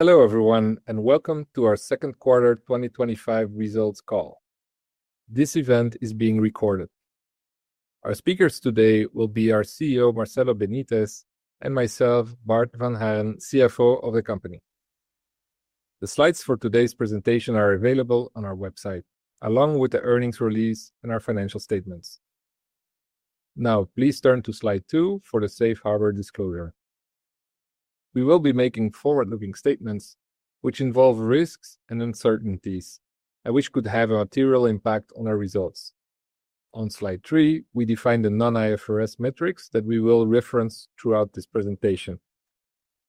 Hello everyone, and welcome to our second quarter 2025 results call. This event is being recorded. Our speakers today will be our CEO, Marcelo Bénitez, and myself, Bart Vanhaeren, CFO of the company. The slides for today's presentation are available on our website, along with the earnings release and our financial statements. Now, please turn to slide two for the safe harbor disclosure. We will be making forward-looking statements, which involve risks and uncertainties, and which could have a material impact on our results. On slide three, we define the non-IFRS metrics that we will reference throughout this presentation.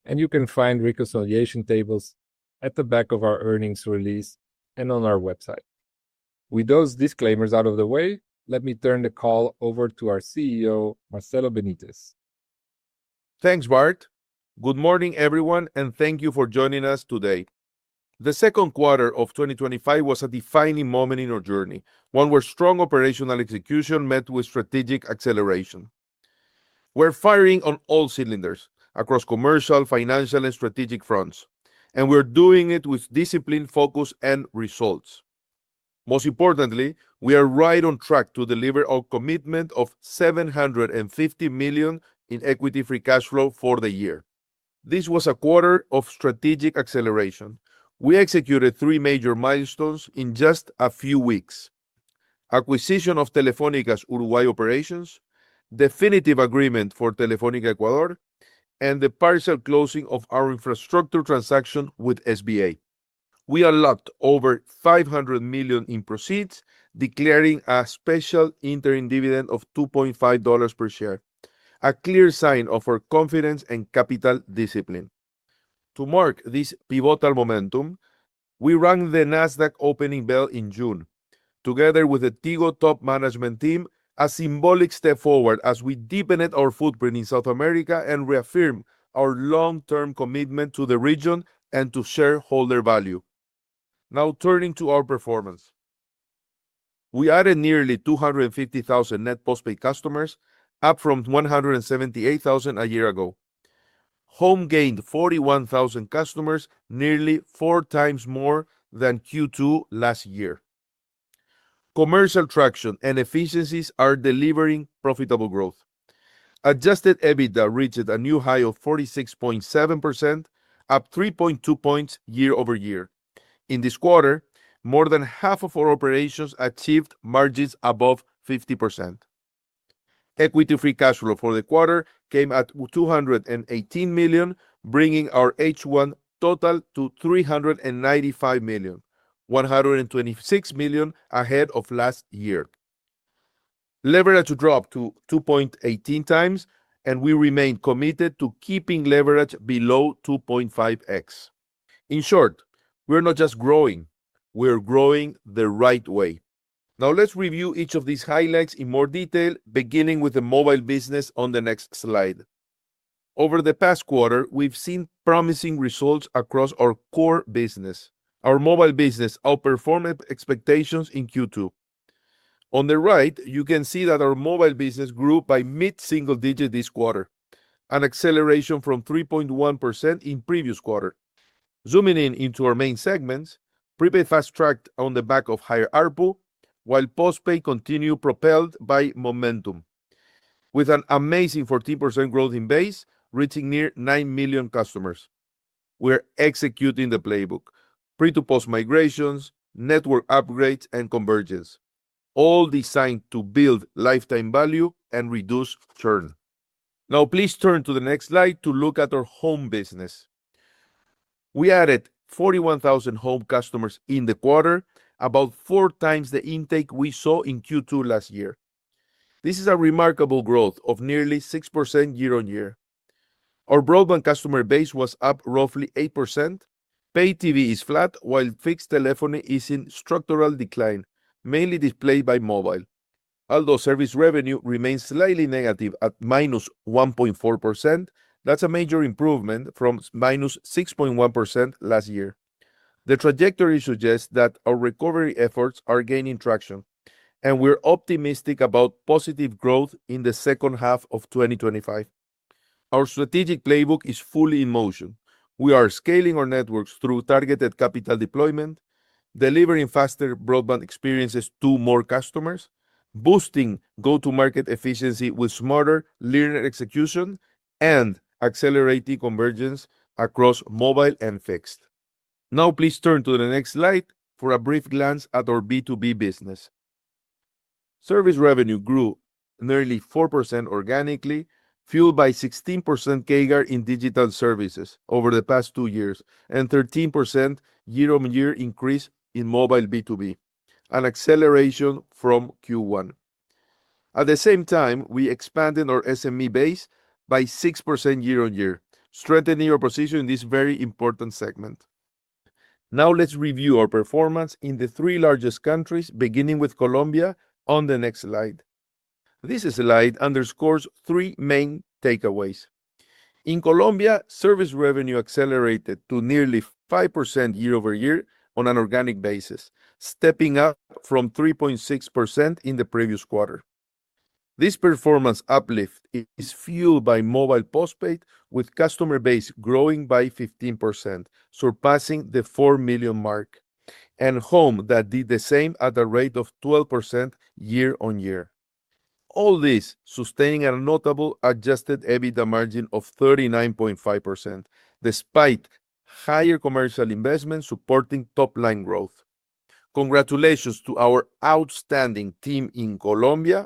You can find reconciliation tables at the back of our earnings release and on our website. With those disclaimers out of the way, let me turn the call over to our CEO, Marcelo Bénitez. Thanks, Bart. Good morning everyone, and thank you for joining us today. The second quarter of 2025 was a defining moment in our journey, one where strong operational execution met with strategic acceleration. We're firing on all cylinders across commercial, financial, and strategic fronts, and we're doing it with discipline, focus, and results. Most importantly, we are right on track to deliver our commitment of $750 million in equity free cash flow for the year. This was a quarter of strategic acceleration. We executed three major milestones in just a few weeks: acquisition of Telefónica's Uruguay operations, definitive agreement for Telefónica Ecuador, and the partial closing of our infrastructure transaction with SBA Communications. We unlocked over $500 million in proceeds, declaring a special interim dividend of $2.5 per share, a clear sign of our confidence and capital discipline. To mark this pivotal momentum, we rang the Nasdaq opening bell in June, together with the Tigo top management team, a symbolic step forward as we deepened our footprint in South America and reaffirmed our long-term commitment to the region and to shareholder value. Now, turning to our performance, we added nearly 250,000 net postpaid customers, up from 178,000 a year ago. Home gained 41,000 customers, nearly four times more than Q2 last year. Commercial traction and efficiencies are delivering profitable growth. Adjusted EBITDA reached a new high of 46.7%, up 3.2 points year-over-year. In this quarter, more than half of our operations achieved margins above 50%. Equity free cash flow for the quarter came at $218 million, bringing our H1 total to $395 million, $126 million ahead of last year. Leverage dropped to 2.18x, and we remain committed to keeping leverage below 2.5x. In short, we're not just growing; we're growing the right way. Now, let's review each of these highlights in more detail, beginning with the mobile business on the next slide. Over the past quarter, we've seen promising results across our core business. Our mobile business outperformed expectations in Q2. On the right, you can see that our mobile business grew by mid-single digit this quarter, an acceleration from 3.1% in the previous quarter. Zooming in into our main segments, prepaid fast tracked on the back of higher ARPU, while postpaid continued propelled by momentum. With an amazing 14% growth in base, reaching near 9 million customers. We're executing the playbook: pre-to-post migrations, network upgrades, and convergence, all designed to build lifetime value and reduce churn. Now, please turn to the next slide to look at our home business. We added 41,000 home customers in the quarter, about four times the intake we saw in Q2 last year. This is a remarkable growth of nearly 6% year on year. Our broadband customer base was up roughly 8%. Pay TV is flat, while fixed telephony is in structural decline, mainly displaced by mobile. Although service revenue remains slightly negative at -1.4%, that's a major improvement from -6.1% last year. The trajectory suggests that our recovery efforts are gaining traction, and we're optimistic about positive growth in the second half of 2025. Our strategic playbook is fully in motion. We are scaling our networks through targeted capital deployment, delivering faster broadband experiences to more customers, boosting go-to-market efficiency with smarter linear execution, and accelerating convergence across mobile and fixed. Now, please turn to the next slide for a brief glance at our B2B business. Service revenue grew nearly 4% organically, fueled by 16% CAGR in digital services over the past two years, and 13% year-on-year increase in mobile B2B, an acceleration from Q1. At the same time, we expanded our SME base by 6% year on year, strengthening our position in this very important segment. Now, let's review our performance in the three largest countries, beginning with Colombia on the next slide. This slide underscores three main takeaways. In Colombia, service revenue accelerated to nearly 5% year-over-year on an organic basis, stepping up from 3.6% in the previous quarter. This performance uplift is fueled by mobile postpaid, with customer base growing by 15%, surpassing the 4 million mark, and home that did the same at a rate of 12% year on year. All this sustaining a notable adjusted EBITDA margin of 39.5%, despite higher commercial investment supporting top-line growth. Congratulations to our outstanding team in Colombia.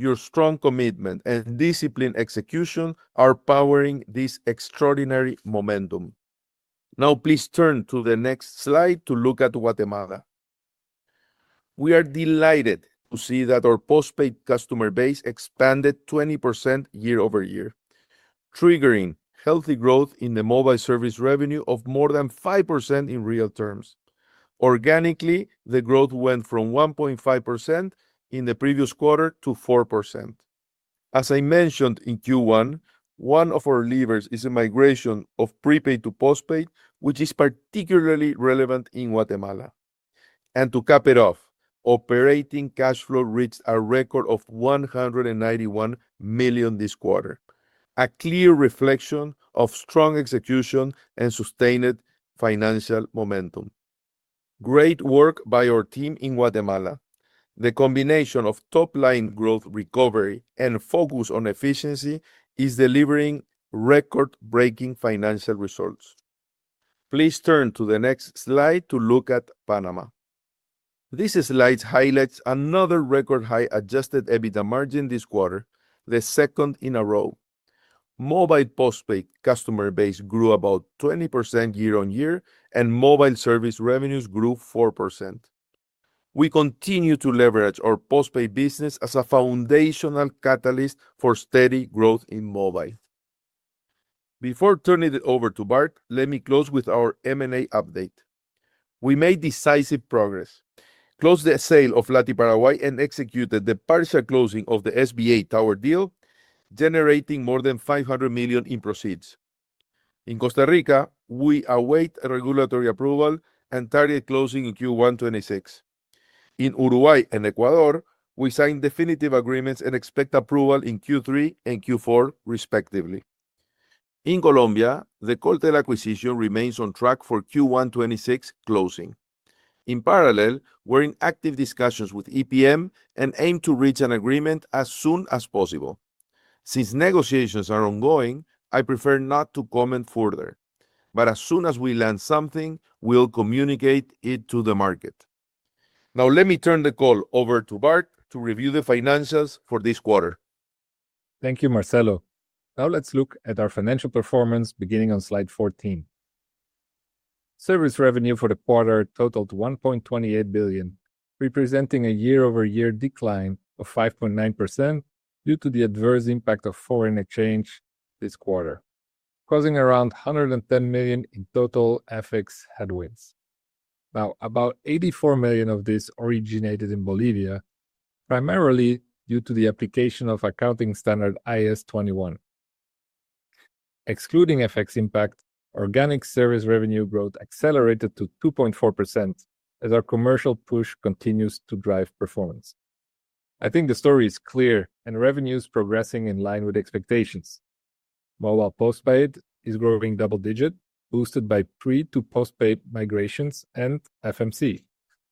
Your strong commitment and disciplined execution are powering this extraordinary momentum. Now, please turn to the next slide to look at Guatemala. We are delighted to see that our postpaid customer base expanded 20% year-over-year, triggering healthy growth in the mobile service revenue of more than 5% in real terms. Organically, the growth went from 1.5% in the previous quarter to 4%. As I mentioned in Q1, one of our levers is a migration of prepaid to postpaid, which is particularly relevant in Guatemala. To cap it off, operating cash flow reached a record of $191 million this quarter, a clear reflection of strong execution and sustained financial momentum. Great work by our team in Guatemala. The combination of top-line growth recovery and focus on efficiency is delivering record-breaking financial results. Please turn to the next slide to look at Panama. This slide highlights another record-high adjusted EBITDA margin this quarter, the second in a row. Mobile postpaid customer base grew about 20% year on year, and mobile service revenues grew 4%. We continue to leverage our postpaid business as a foundational catalyst for steady growth in mobile. Before turning it over to Bart, let me close with our M&A update. We made decisive progress, closed the sale of LATI Paraguay and executed the partial closing of the SBA tower deal, generating more than $500 million in proceeds. In Costa Rica, we await regulatory approval and target closing in Q1 2026. In Uruguay and Ecuador, we signed definitive agreements and expect approval in Q3 and Q4, respectively. In Colombia, the Coltel acquisition remains on track for Q1 2026 closing. In parallel, we're in active discussions with EPM and aim to reach an agreement as soon as possible. Since negotiations are ongoing, I prefer not to comment further, but as soon as we learn something, we'll communicate it to the market. Now, let me turn the call over to Bart to review the financials for this quarter. Thank you, Marcelo. Now let's look at our financial performance, beginning on slide 14. Service revenue for the quarter totaled $1.28 billion, representing a year-over-year decline of 5.9% due to the adverse impact of foreign exchange this quarter, causing around $110 million in total FX headwinds. About $84 million of this originated in Bolivia, primarily due to the application of accounting standard IAS 21. Excluding FX impact, organic service revenue growth accelerated to 2.4% as our commercial push continues to drive performance. I think the story is clear and revenues progressing in line with expectations. Mobile postpaid is growing double-digit, boosted by pre-to-postpaid migrations and FMC,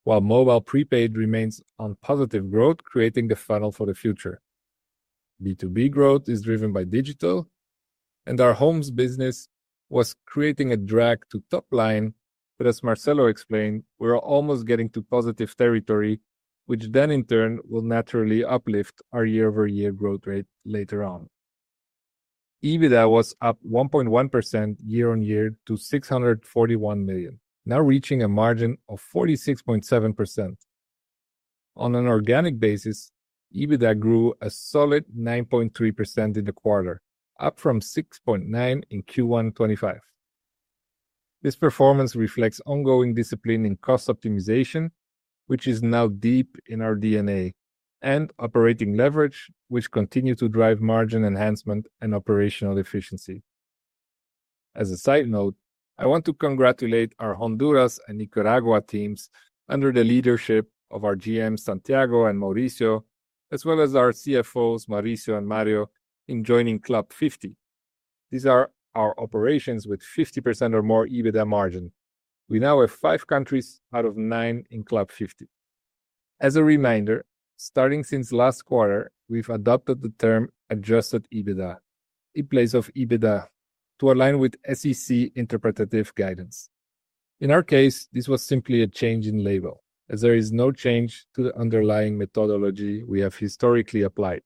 while mobile prepaid remains on positive growth, creating the funnel for the future. B2B growth is driven by digital, and our homes business was creating a drag to top line, but as Marcelo explained, we're almost getting to positive territory, which in turn will naturally uplift our year-over-year growth rate later on. EBITDA was up 1.1% year on year to $641 million, now reaching a margin of 46.7%. On an organic basis, EBITDA grew a solid 9.3% in the quarter, up from 6.9% in Q1 2025. This performance reflects ongoing discipline in cost optimization, which is now deep in our DNA, and operating leverage, which continues to drive margin enhancement and operational efficiency. As a side note, I want to congratulate our Honduras and Nicaragua teams under the leadership of our GMs, Santiago and Mauricio, as well as our CFOs, Mauricio and Mario, in joining Club 50. These are our operations with 50% or more EBITDA margin. We now have five countries out of nine in Club 50. As a reminder, starting since last quarter, we've adopted the term "adjusted EBITDA" in place of EBITDA to align with SEC interpretative guidance. In our case, this was simply a change in label, as there is no change to the underlying methodology we have historically applied,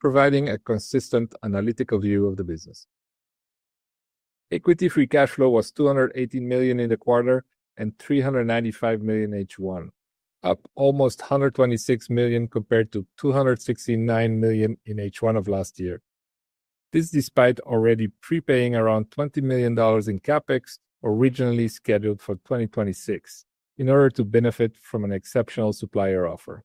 providing a consistent analytical view of the business. Equity free cash flow was $218 million in the quarter and $395 million in H1, up almost $126 million compared to $269 million in H1 of last year. This is despite already prepaying around $20 million in capex originally scheduled for 2026 in order to benefit from an exceptional supplier offer.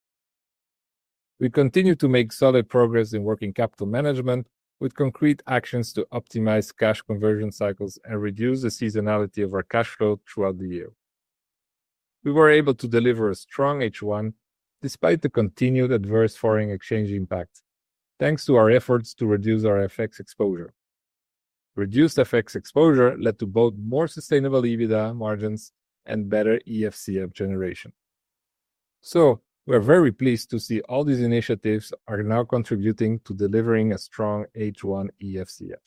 We continue to make solid progress in working capital management with concrete actions to optimize cash conversion cycles and reduce the seasonality of our cash flow throughout the year. We were able to deliver a strong H1 despite the continued adverse foreign exchange impact, thanks to our efforts to reduce our FX exposure. Reduced FX exposure led to both more sustainable EBITDA margins and better EFCF generation. We are very pleased to see all these initiatives are now contributing to delivering a strong H1 EFCF.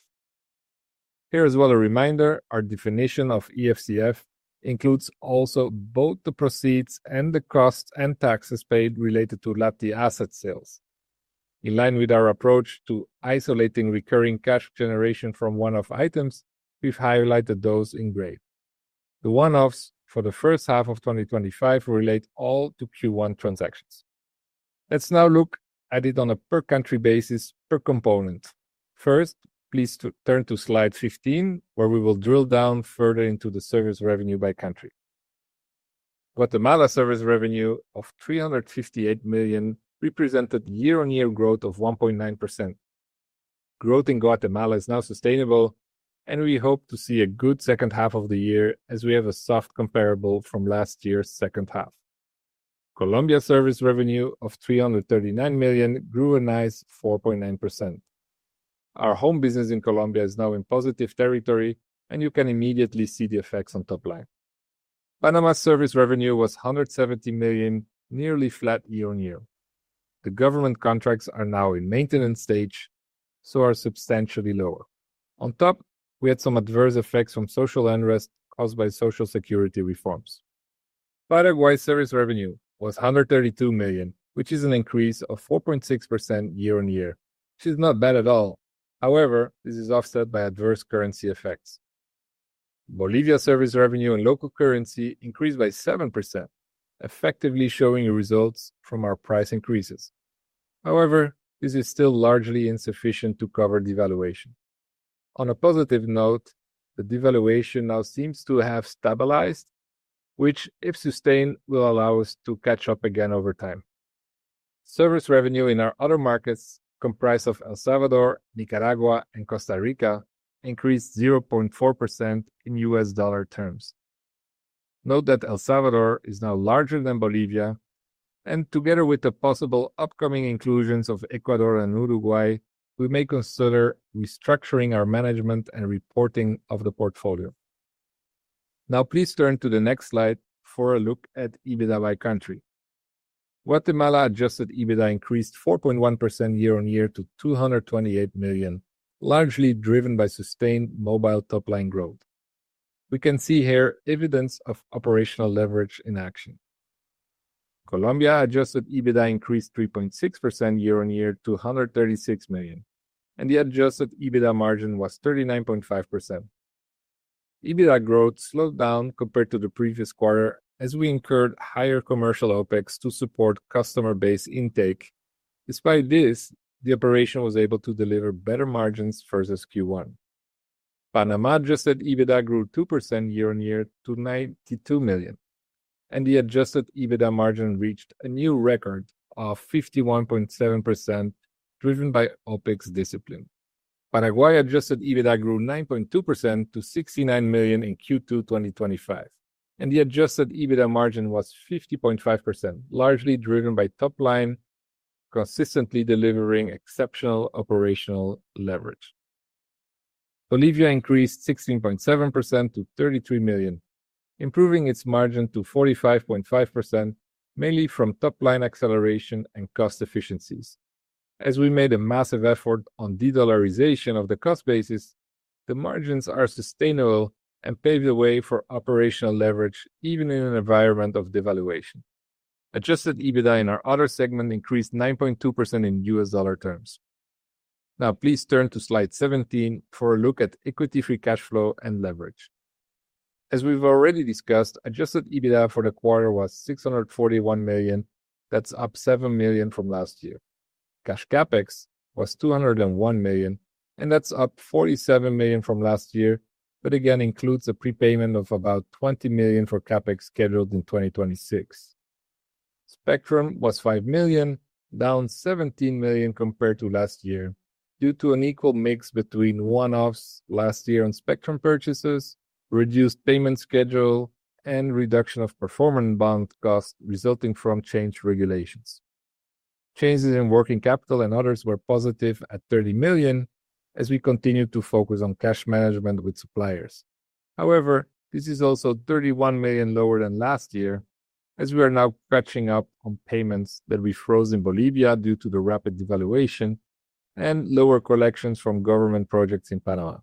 Here is one reminder: our definition of EFCF includes also both the proceeds and the costs and taxes paid related to LATI asset sales. In line with our approach to isolating recurring cash generation from one-off items, we've highlighted those in gray. The one-offs for the first half of 2025 relate all to Q1 transactions. Let's now look at it on a per-country basis per component. First, please turn to slide 15, where we will drill down further into the service revenue by country. Guatemala service revenue of $358 million represented year-on-year growth of 1.9%. Growth in Guatemala is now sustainable, and we hope to see a good second half of the year as we have a soft comparable from last year's second half. Colombia service revenue of $339 million grew a nice 4.9%. Our home business in Colombia is now in positive territory, and you can immediately see the effects on top line. Panama service revenue was $170 million, nearly flat year on year. The government contracts are now in maintenance stage, so are substantially lower. On top, we had some adverse effects from social unrest caused by Social Security reforms. Paraguay service revenue was $132 million, which is an increase of 4.6% year on year, which is not bad at all. However, this is offset by adverse currency effects. Bolivia service revenue in local currency increased by 7%, effectively showing results from our price increases. However, this is still largely insufficient to cover devaluation. On a positive note, the devaluation now seems to have stabilized, which, if sustained, will allow us to catch up again over time. Service revenue in our other markets, comprised of El Salvador, Nicaragua, and Costa Rica, increased 0.4% in U.S. dollar terms. Note that El Salvador is now larger than Bolivia, and together with the possible upcoming inclusions of Ecuador and Uruguay, we may consider restructuring our management and reporting of the portfolio. Now, please turn to the next slide for a look at EBITDA by country. Guatemala adjusted EBITDA increased 4.1% year on year to $228 million, largely driven by sustained mobile top-line growth. We can see here evidence of operational leverage in action. Colombia adjusted EBITDA increased 3.6% year on year to $136 million, and the adjusted EBITDA margin was 39.5%. EBITDA growth slowed down compared to the previous quarter as we incurred higher commercial OpEx to support customer base intake. Despite this, the operation was able to deliver better margins versus Q1. Panama adjusted EBITDA grew 2% year on year to $92 million, and the adjusted EBITDA margin reached a new record of 51.7%, driven by OpEx discipline. Paraguay adjusted EBITDA grew 9.2% to $69 million in Q2 2025, and the adjusted EBITDA margin was 50.5%, largely driven by top line, consistently delivering exceptional operational leverage. Bolivia increased 16.7% to $33 million, improving its margin to 45.5%, mainly from top-line acceleration and cost efficiencies. As we made a massive effort on de-dollarization of the cost basis, the margins are sustainable and pave the way for operational leverage, even in an environment of devaluation. Adjusted EBITDA in our other segment increased 9.2% in US dollar terms. Now, please turn to slide 17 for a look at equity free cash flow and leverage. As we've already discussed, adjusted EBITDA for the quarter was $641 million. That's up $7 million from last year. Cash CapEx was $201 million, and that's up $47 million from last year, but again includes a prepayment of about $20 million for CapEx scheduled in 2026. Spectrum was $5 million, down $17 million compared to last year due to an equal mix between one-offs last year on spectrum purchases, reduced payment schedule, and reduction of performance bond costs resulting from change regulations. Changes in working capital and others were positive at $30 million, as we continued to focus on cash management with suppliers. However, this is also $31 million lower than last year, as we are now catching up on payments that we froze in Bolivia due to the rapid devaluation and lower collections from government projects in Panama.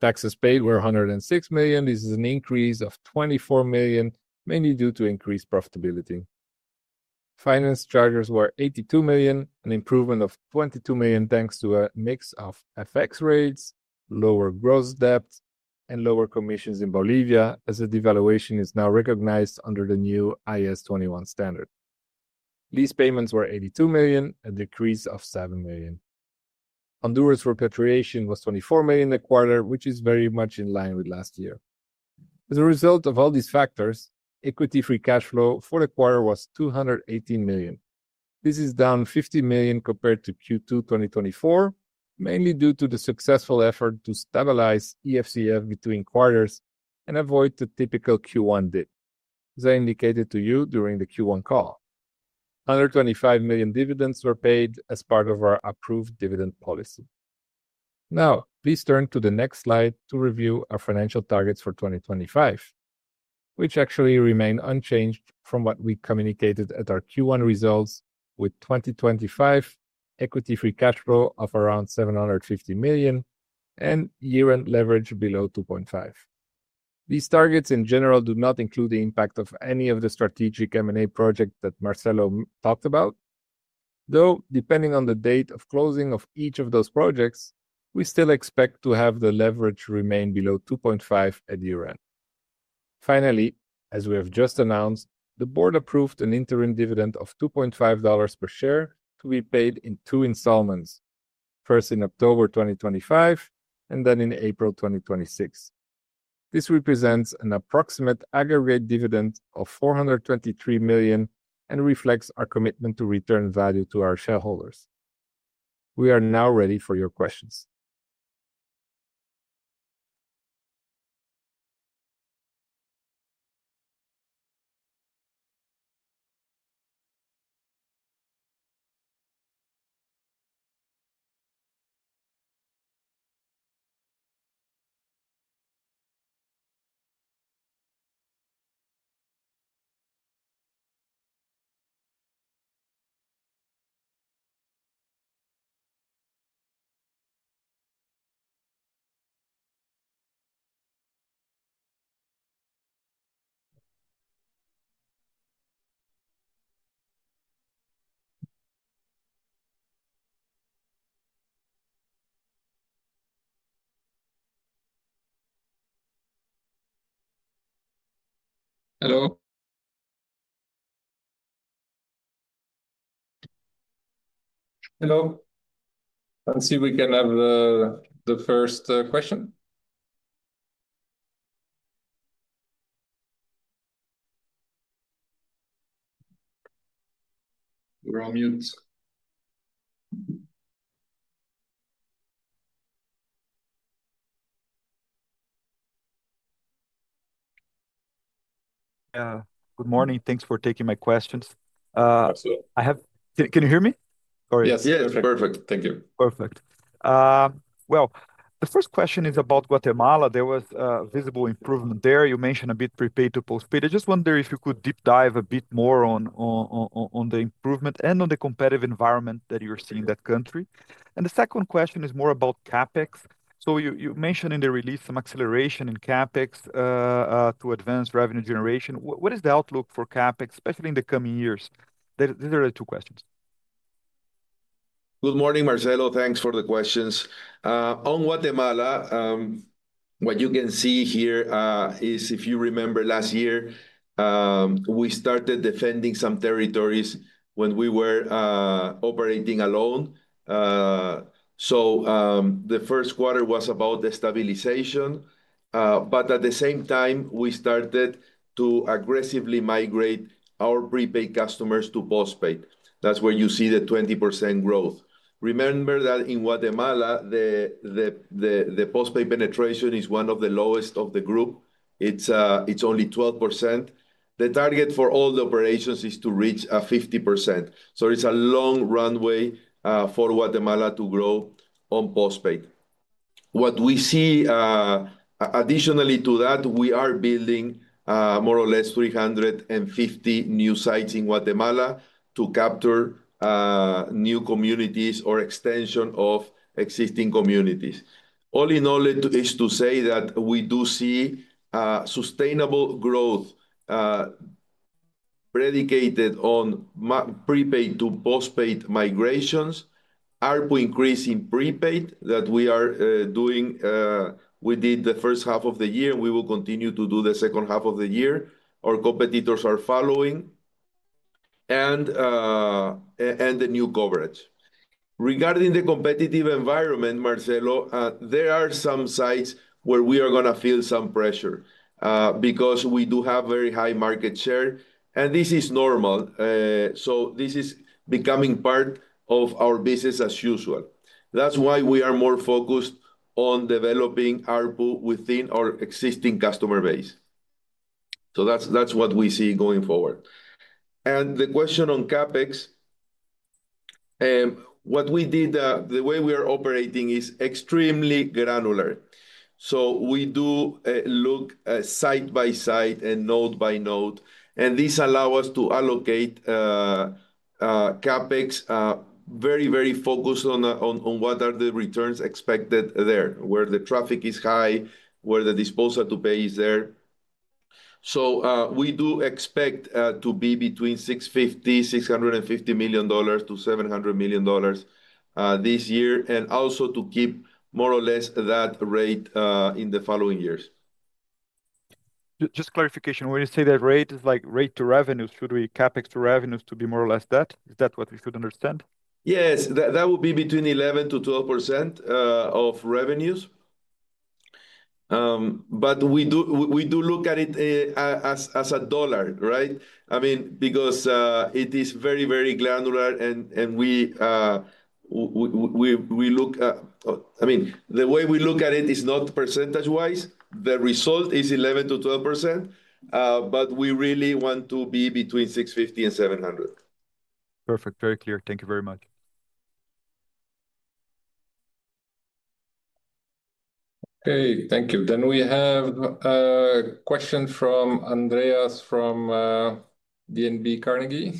Taxes paid were $106 million. This is an increase of $24 million, mainly due to increased profitability. Finance charges were $82 million, an improvement of $22 million thanks to a mix of FX rates, lower gross debt, and lower commissions in Bolivia, as the devaluation is now recognized under the new IAS 21 standard. Lease payments were $82 million, a decrease of $7 million. Honduras repatriation was $24 million in the quarter, which is very much in line with last year. As a result of all these factors, equity free cash flow for the quarter was $218 million. This is down $50 million compared to Q2 2024, mainly due to the successful effort to stabilize EFCF between quarters and avoid the typical Q1 dip, as I indicated to you during the Q1 call. $125 million dividends were paid as part of our approved dividend policy. Now, please turn to the next slide to review our financial targets for 2025, which actually remain unchanged from what we communicated at our Q1 results, with 2025 equity free cash flow of around $750 million and year-end leverage below 2.5%. These targets, in general, do not include the impact of any of the strategic M&A projects Marcelo Bénitez talked about. Though, depending on the date of closing of each of those projects, we still expect to have the leverage remain below 2.5% at year-end. Finally, as we have just announced, the board approved an interim dividend of $2.50 per share to be paid in two installments, first in October 2025 and then in April 2026. This represents an approximate aggregate dividend of $423 million and reflects our commitment to return value to our shareholders. We are now ready for your questions. Hello? Hello? Let's see if we can have the first question. We're on mute. Good morning. Thanks for taking my questions. Absolutely. Can you hear me? Yes, yes, perfect. Thank you. Perfect. The first question is about Guatemala. There was a visible improvement there. You mentioned a bit prepaid to postpaid. I just wonder if you could deep dive a bit more on the improvement and on the competitive environment that you're seeing in that country. The second question is more about capex. You mentioned in the release some acceleration in capex to advance revenue generation. What is the outlook for capex, especially in the coming years? These are the two questions. Good morning, Marcelo. Thanks for the questions. On Guatemala, what you can see here is, if you remember last year, we started defending some territories when we were operating alone. The first quarter was about the stabilization. At the same time, we started to aggressively migrate our prepaid customers to postpaid. That's where you see the 20% growth. Remember that in Guatemala, the postpaid penetration is one of the lowest of the group. It's only 12%. The target for all the operations is to reach 50%. It's a long runway for Guatemala to grow on postpaid. What we see, additionally to that, we are building more or less 350 new sites in Guatemala to capture new communities or extension of existing communities. All in all, it is to say that we do see sustainable growth predicated on prepaid to postpaid migrations, ARPU increase in prepaid that we are doing. We did the first half of the year, and we will continue to do the second half of the year. Our competitors are following, and the new coverage. Regarding the competitive environment, Marcelo, there are some sites where we are going to feel some pressure because we do have very high market share, and this is normal. This is becoming part of our business as usual. That's why we are more focused on developing ARPU within our existing customer base. That's what we see going forward. The question on capex, what we did, the way we are operating is extremely granular. We do look side by side and node by node, and this allows us to allocate capex very, very focused on what are the returns expected there, where the traffic is high, where the disposal to pay is there. We do expect to be between $650 million-$700 million this year, and also to keep more or less that rate in the following years. Just clarification, when you say that rate is like rate to revenue, should we capex to revenues to be more or less that? Is that what we should understand? Yes, that would be between 11%-12% of revenues. We do look at it as a dollar, right? I mean, because it is very, very granular, and we look at, I mean, the way we look at it is not percentage-wise. The result is 11%-12%, but we really want to be between $650 million and $700 million. Perfect. Very clear. Thank you very much. Hey, thank you. We have a question from Andreas from DNB Bank Carnegie.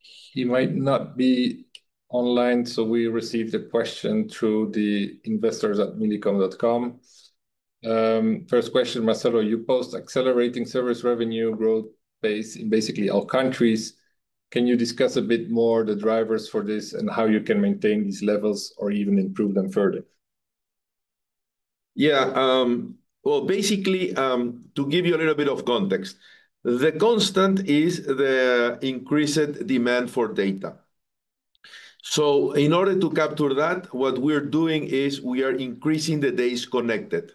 He might not be online, so we received the question through the investors@millicom.com. First question, Marcelo, you post accelerating service revenue growth base in basically all countries. Can you discuss a bit more the drivers for this and how you can maintain these levels or even improve them further? Yeah, basically, to give you a little bit of context, the constant is the increased demand for data. In order to capture that, what we're doing is we are increasing the days connected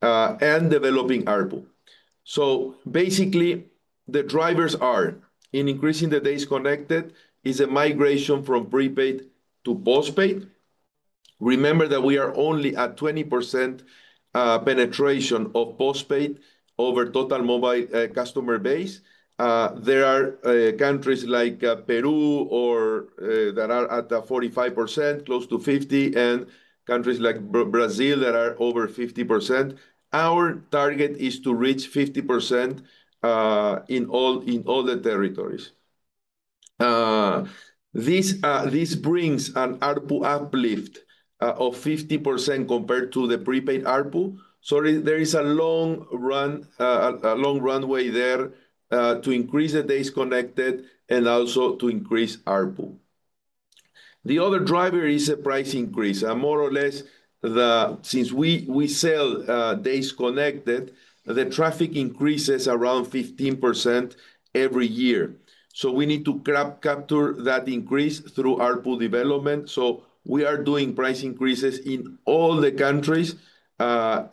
and developing ARPU. Basically, the drivers in increasing the days connected is a migration from prepaid to postpaid. Remember that we are only at 20% penetration of postpaid over total mobile customer base. There are countries like Peru that are at 45%, close to 50%, and countries like Brazil that are over 50%. Our target is to reach 50% in all the territories. This brings an ARPU uplift of 50% compared to the prepaid ARPU. There is a long runway there to increase the days connected and also to increase ARPU. The other driver is a price increase. More or less, since we sell days connected, the traffic increases around 15% every year. We need to capture that increase through ARPU development. We are doing price increases in all the countries. To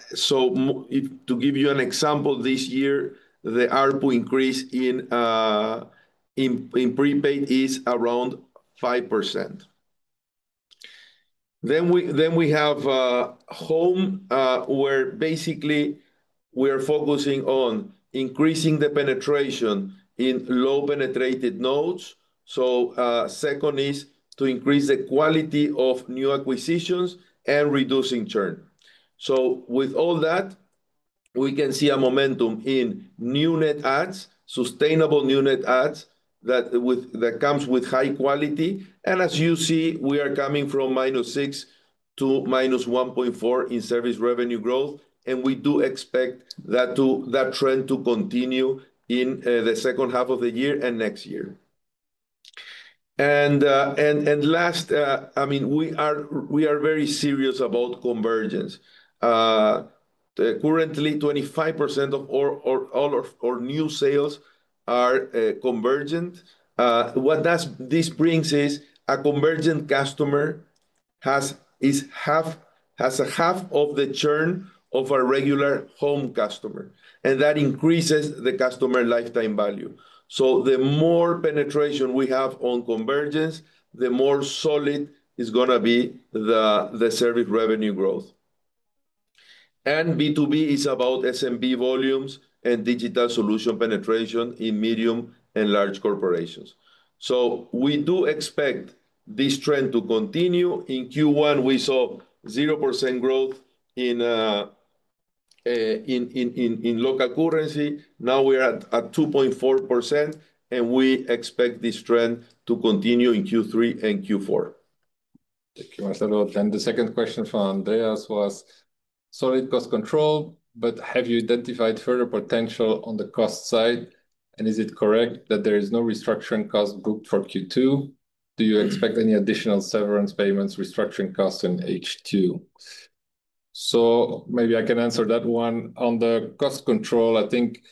give you an example, this year, the ARPU increase in prepaid is around 5%. Then we have home, where basically we are focusing on increasing the penetration in low penetrated nodes. Second is to increase the quality of new acquisitions and reducing churn. With all that, we can see a momentum in new net ads, sustainable new net ads that comes with high quality. As you see, we are coming from -6 to -1.4 in service revenue growth, and we do expect that trend to continue in the second half of the year and next year. Last, I mean, we are very serious about convergence. Currently, 25% of all our new sales are convergent. What this brings is a convergent customer has half of the churn of a regular home customer, and that increases the customer lifetime value. The more penetration we have on convergence, the more solid is going to be the service revenue growth. B2B is about SMB volumes and digital solution penetration in medium and large corporations. We do expect this trend to continue. In Q1, we saw 0% growth in local currency. Now we are at 2.4%, and we expect this trend to continue in Q3 and Q4. Thank you, Marcelo. The second question from Andreas was, solid cost control, but have you identified further potential on the cost side, and is it correct that there is no restructuring cost booked for Q2? Do you expect any additional severance payments, restructuring costs in H2? Maybe I can answer that one. On the cost control, I think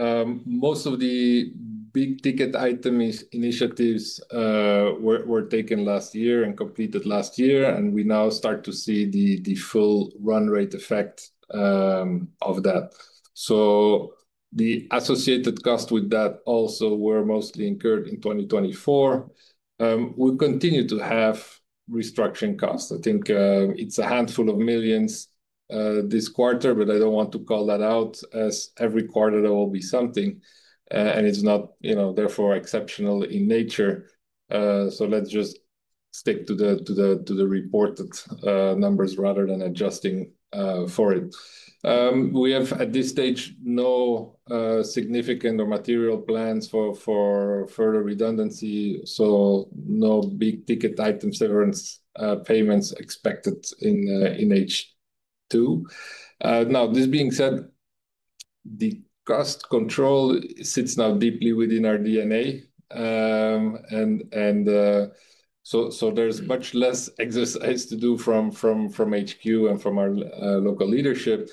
most of the big ticket item initiatives were taken last year and completed last year, and we now start to see the full run rate effect of that. The associated costs with that also were mostly incurred in 2024. We continue to have restructuring costs. I think it's a handful of millions this quarter, but I don't want to call that out as every quarter there will be something, and it's not, you know, therefore exceptional in nature. Let's just stick to the reported numbers rather than adjusting for it. We have, at this stage, no significant or material plans for further redundancy, so no big ticket item severance payments expected in H2. This being said, the cost control sits now deeply within our DNA, and so there's much less exercise to do from HQ and from our local leadership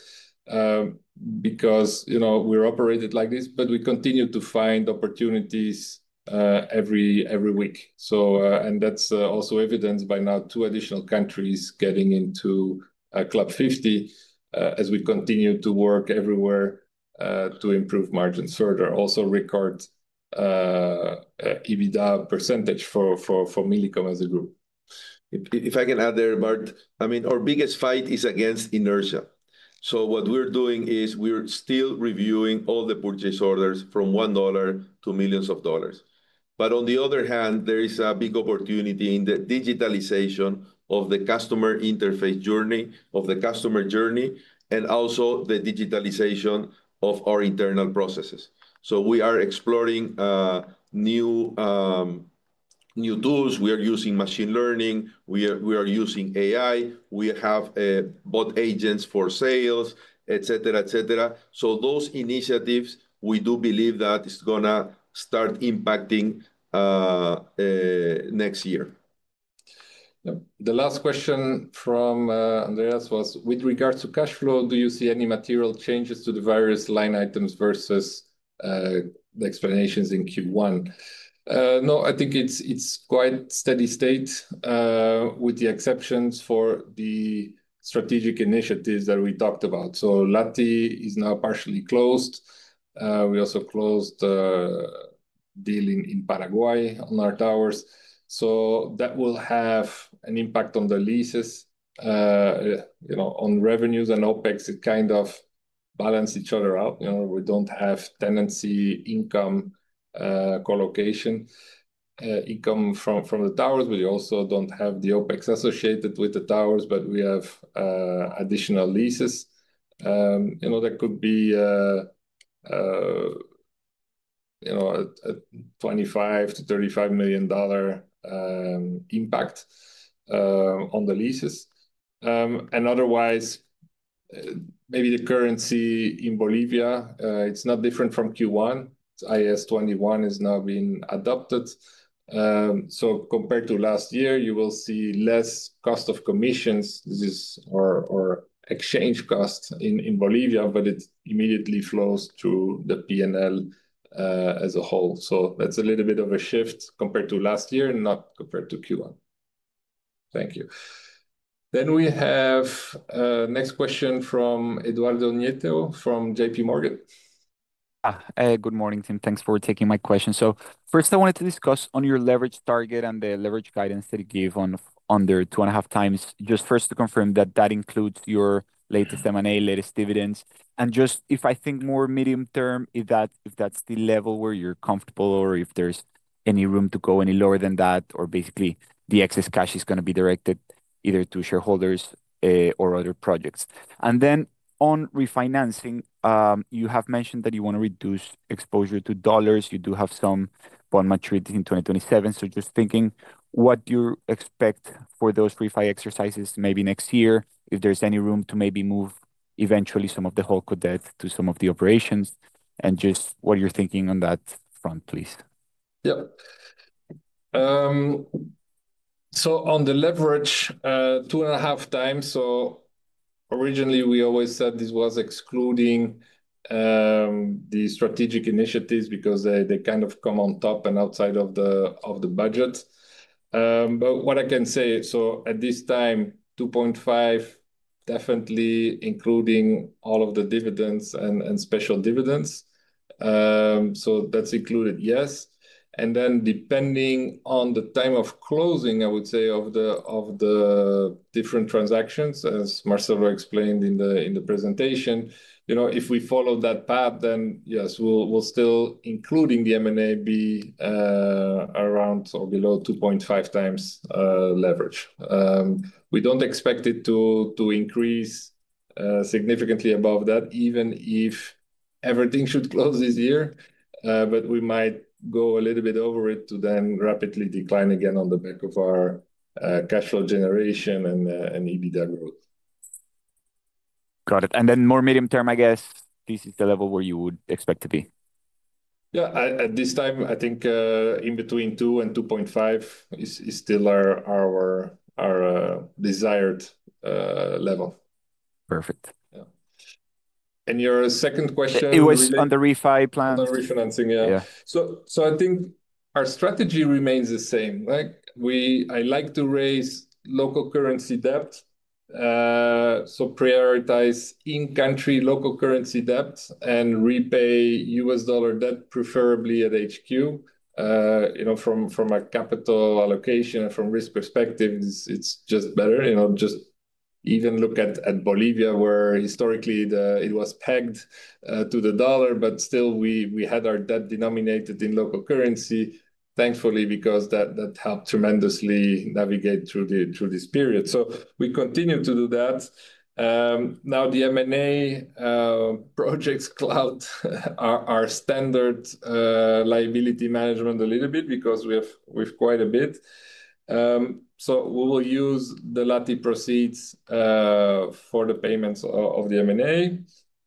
because, you know, we're operated like this, but we continue to find opportunities every week. That's also evidenced by now two additional countries getting into Club 50 as we continue to work everywhere to improve margins further. Also, record EBITDA % for Millicom as a group. If I can add there, Bart, I mean, our biggest fight is against inertia. What we're doing is we're still reviewing all the purchase orders from $1 to millions of dollars. On the other hand, there is a big opportunity in the digitalization of the customer interface journey, of the customer journey, and also the digitalization of our internal processes. We are exploring new tools. We are using machine learning. We are using AI. We have bought agents for sales, etc., etc. Those initiatives, we do believe that it's going to start impacting next year. The last question from Andreas was, with regards to cash flow, do you see any material changes to the various line items versus the explanations in Q1? No, I think it's quite a steady state, with the exceptions for the strategic initiatives that we talked about. LATI is now partially closed. We also closed the deal in Paraguay on our towers. That will have an impact on the leases. On revenues and OpEx, it kind of balances each other out. We don't have tenancy income, collocation income from the towers. We also don't have the OpEx associated with the towers, but we have additional leases. That could be a $25 million-$35 million impact on the leases. Otherwise, maybe the currency in Bolivia, it's not different from Q1. IAS 21 has now been adopted. Compared to last year, you will see less cost of commissions. These are exchange costs in Bolivia, but it immediately flows to the P&L as a whole. That's a little bit of a shift compared to last year and not compared to Q1. Thank you. We have a next question from Eduardo Nieto from J.P. Morgan. Hey, good morning, Tim. Thanks for taking my question. First, I wanted to discuss your leverage target and the leverage guidance that you gave on under 2.5 times. Just to confirm that includes your latest M&A, latest dividends. If I think more medium term, if that's the level where you're comfortable or if there's any room to go any lower than that, or basically the excess cash is going to be directed either to shareholders or other projects. On refinancing, you have mentioned that you want to reduce exposure to dollars. You do have some bond maturities in 2027. Just thinking what you expect for those refi exercises maybe next year, if there's any room to maybe move eventually some of the holdco to some of the operations and just what you're thinking on that front, please. Yeah. On the leverage, 2.5x. Originally, we always said this was excluding the strategic initiatives because they kind of come on top and outside of the budget. What I can say, at this time, 2.5x definitely including all of the dividends and special dividends. That's included, yes. Depending on the time of closing, I would say, of the different transactions, Marcelo Bénitez explained in the presentation, if we follow that path, then yes, we'll still, including the M&A, be around or below 2.5x leverage. We don't expect it to increase significantly above that, even if everything should close this year. We might go a little bit over it to then rapidly decline again on the back of our cash flow generation and EBITDA growth. Got it. More medium term, I guess this is the level where you would expect to be. At this time, I think in between 2% and 2.5% is still our desired level. Perfect. Your second question? It was on the refi plan. On the refinancing, yeah. I think our strategy remains the same. I like to raise local currency debt, so prioritize in-country local currency debt and repay US dollar debt, preferably at HQ. You know, from a capital allocation and from a risk perspective, it's just better. You know, just even look at Bolivia, where historically it was pegged to the dollar, but still we had our debt denominated in local currency, thankfully, because that helped tremendously navigate through this period. We continue to do that. Now, the M&A projects cloud our standard liability management a little bit because we have quite a bit. We will use the LATI proceeds for the payments of the M&A.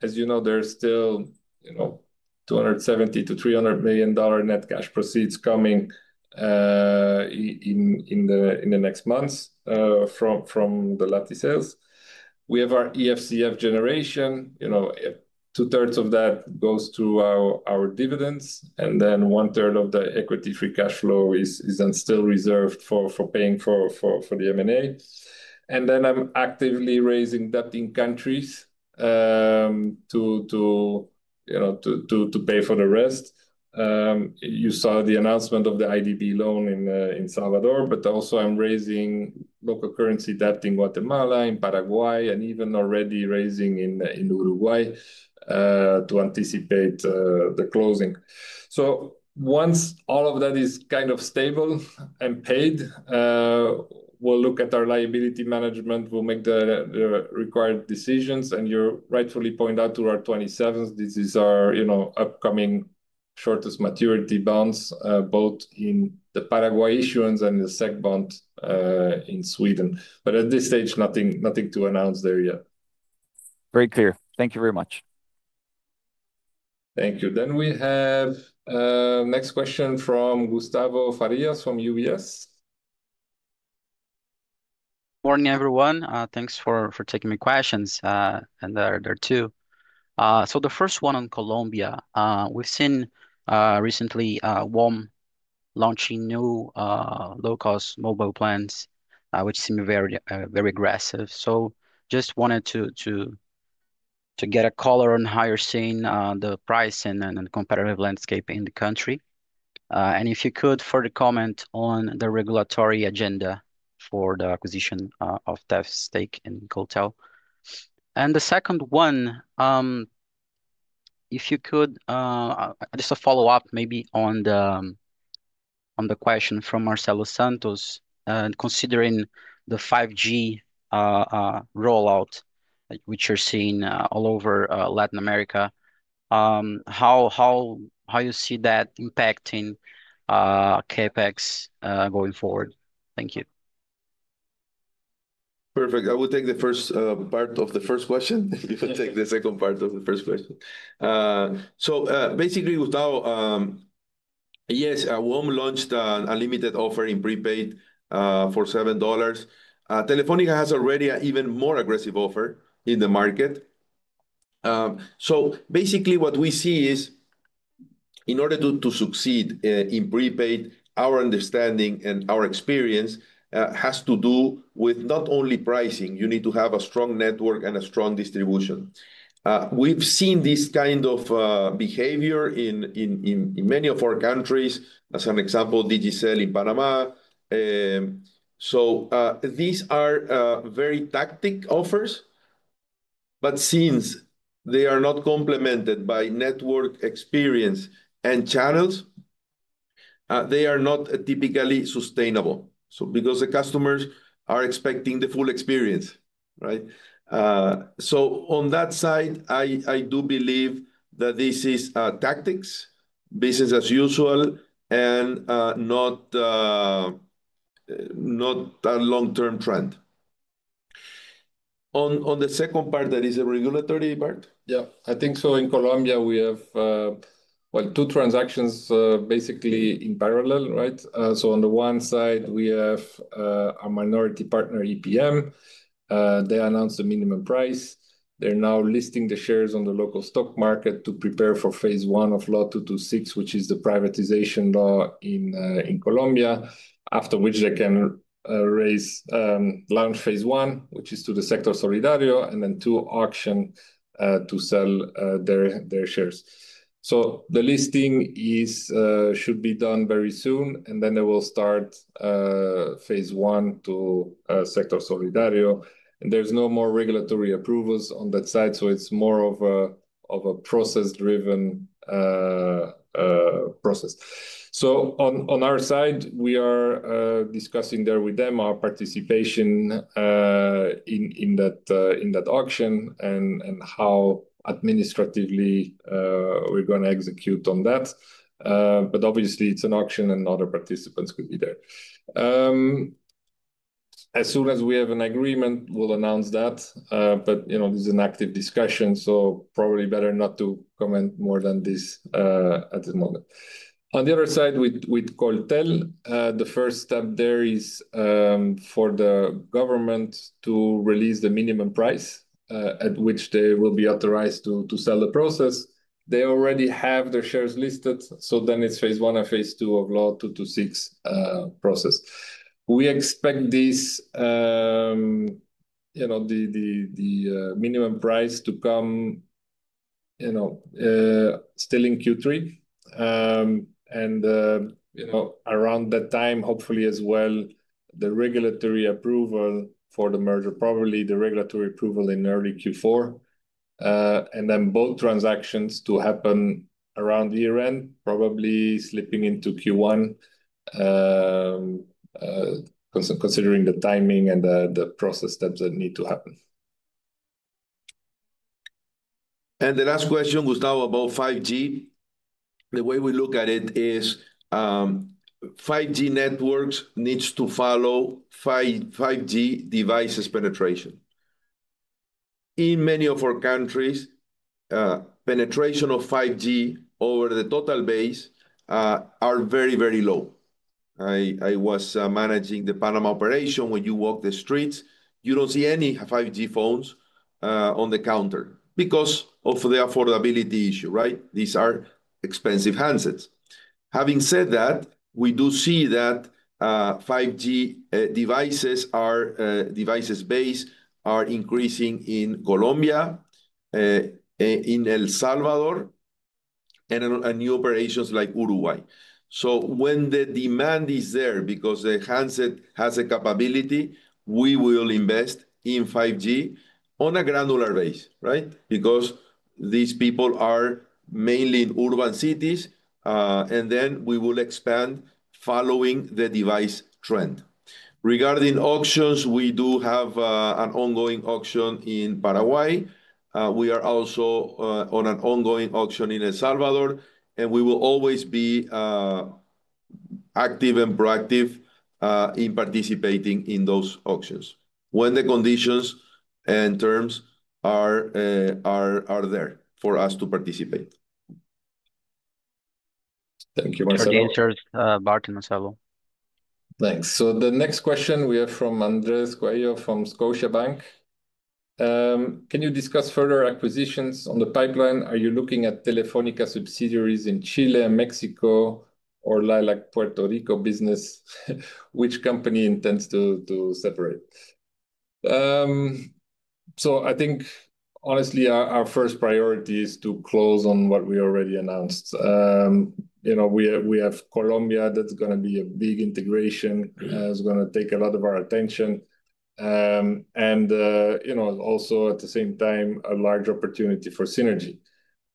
As you know, there's still $270 million-$300 million net cash proceeds coming in the next months from the LATI sales. We have our EFCF generation. Two-thirds of that goes through our dividends, and then one-third of the equity free cash flow is still reserved for paying for the M&A. I'm actively raising debt in countries to pay for the rest. You saw the announcement of the IDB loan in El Salvador, but also I'm raising local currency debt in Guatemala, in Paraguay, and even already raising in Uruguay to anticipate the closing. Once all of that is kind of stable and paid, we'll look at our liability management. We'll make the required decisions. You rightfully point out to our 2027, this is our upcoming shortest maturity bonds, both in the Paraguay issuance and the SEC bond in Sweden. At this stage, nothing to announce there yet. Very clear. Thank you very much. Thank you. We have a next question from Gustavo Farias from UBS. Morning everyone. Thanks for taking my questions, and they're two. The first one on Colombia. We've seen recently WOM launching new low-cost mobile plans, which seem very aggressive. I just wanted to get a color on how you're seeing the price and the competitive landscape in the country. If you could further comment on the regulatory agenda for the acquisition of Telefónica Stake in Coltel. The second one, if you could, just a follow-up maybe on the question from Marcelo Santos, considering the 5G rollout, which you're seeing all over Latin America, how you see that impacting capex going forward. Thank you. Perfect. I will take the first part of the first question. You can take the second part of the first question. Basically, yes, WOM launched a limited offer in prepaid for $7. Telefónica has already an even more aggressive offer in the market. What we see is in order to succeed in prepaid, our understanding and our experience has to do with not only pricing. You need to have a strong network and a strong distribution. We've seen this kind of behavior in many of our countries. As an example, Digicel in Panama. These are very tactic offers, but since they are not complemented by network experience and channels, they are not typically sustainable because the customers are expecting the full experience. On that side, I do believe that this is tactics, business as usual, and not a long-term trend. On the second part, that is a regulatory part? Yeah, I think so. In Colombia, we have two transactions basically in parallel, right? On the one side, we have a minority partner, EPM. They announced the minimum price. They're now listing the shares on the local stock market to prepare for phase one of Law 226, which is the privatization law in Colombia, after which they can launch phase one, which is to the Sector Solidario, and then to auction to sell their shares. The listing should be done very soon, and they will start phase one to Sector Solidario. There's no more regulatory approvals on that side, so it's more of a process-driven process. On our side, we are discussing there with them our participation in that auction and how administratively we're going to execute on that. Obviously, it's an auction and other participants could be there. As soon as we have an agreement, we'll announce that. This is an active discussion, so probably better not to comment more than this at the moment. On the other side, with Coltel, the first step there is for the government to release the minimum price at which they will be authorized to sell the process. They already have their shares listed, so then it's phase one and phase two of Law 226 process. We expect the minimum price to come still in Q3. Around that time, hopefully as well, the regulatory approval for the merger, probably the regulatory approval in early Q4. Both transactions to happen around year-end, probably slipping into Q1, considering the timing and the process steps that need to happen. The last question was now about 5G. The way we look at it is 5G networks need to follow 5G devices penetration. In many of our countries, penetration of 5G over the total base is very, very low. I was managing the Panama operation where you walk the streets, you don't see any 5G phones on the counter because of the affordability issue, right? These are expensive handsets. Having said that, we do see that 5G devices-based are increasing in Colombia, in El Salvador, and in new operations like Uruguay. When the demand is there because the handset has a capability, we will invest in 5G on a granular base, right? These people are mainly in urban cities, and then we will expand following the device trend. Regarding auctions, we do have an ongoing auction in Paraguay. We are also on an ongoing auction in El Salvador, and we will always be active and proactive in participating in those auctions when the conditions and terms are there for us to participate. Thank you, Marcelo. Thanks, Marcelo. Thanks. The next question we have is from Andres Cuello from Scotiabank. Can you discuss further acquisitions on the pipeline? Are you looking at Telefónica subsidiaries in Chile and Mexico or LILAC Puerto Rico business, which the company intends to separate? I think, honestly, our first priority is to close on what we already announced. We have Colombia that's going to be a big integration that's going to take a lot of our attention, and also at the same time, a large opportunity for synergy.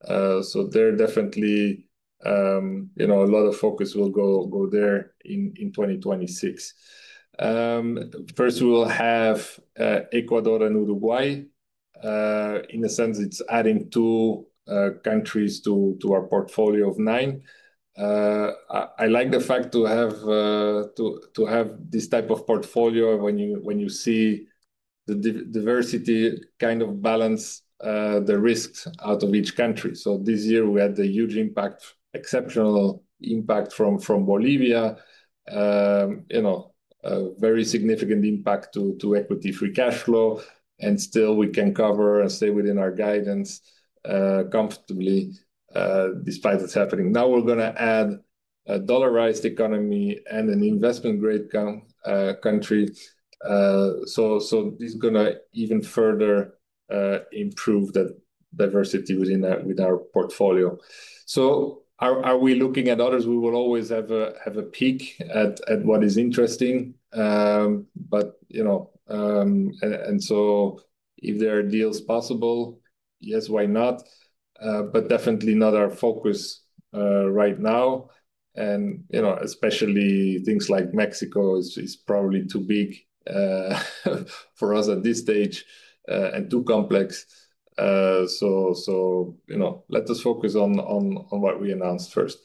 There is definitely a lot of focus that will go there in 2026. First, we will have Ecuador and Uruguay. In a sense, it's adding two countries to our portfolio of nine. I like the fact to have this type of portfolio when you see the diversity kind of balance the risks out of each country. This year we had the huge impact, exceptional impact from Bolivia, a very significant impact to equity free cash flow, and still we can cover, say, within our guidance comfortably despite what's happening. Now we're going to add a dollarized economy and an investment-grade country. This is going to even further improve that diversity within our portfolio. Are we looking at others? We will always have a peek at what is interesting. If there are deals possible, yes, why not? Definitely not our focus right now. Especially things like Mexico are probably too big for us at this stage and too complex. Let us focus on what we announced first.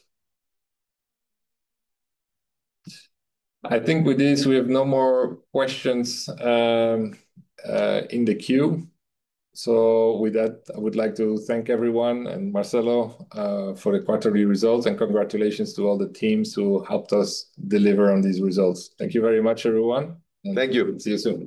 I think with this, we have no more questions in the queue. With that, I would like to thank everyone and Marcelo for the quarterly results, and congratulations to all the teams who helped us deliver on these results. Thank you very much, everyone. Thank you. See you soon.